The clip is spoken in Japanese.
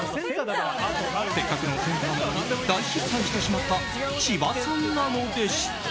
せっかくのセンターなのに大失敗してしまった千葉さんなのでした。